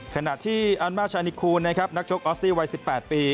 ขณะที่อันมาชานิคูณนะครับนักชกออสซี่วัย๑๘ปี